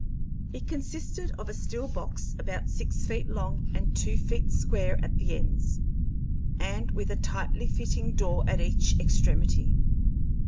It consisted of a steel box about six feet long and two feet square at the ends, and with a tightly fitting door at each extremity.